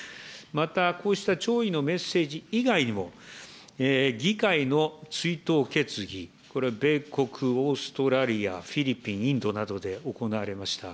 また、こうした弔意のメッセージ以外にも、議会の追悼決議、これは米国、オーストラリア、フィリピン、インドなどで行われました。